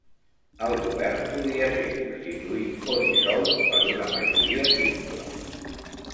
El govern podia ser constituït o dissolt per una majoria simple.